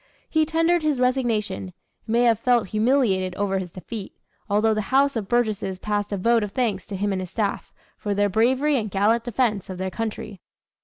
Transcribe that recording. He tendered his resignation, and may have felt humiliated over his defeat; although the House of Burgesses passed a vote of thanks to him and his staff, "for their bravery and gallant defense of their country."